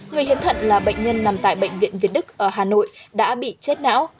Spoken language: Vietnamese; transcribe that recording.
người hiến thận là bệnh nhân nằm tại bệnh viện việt đức ở hà nội đã bị chết não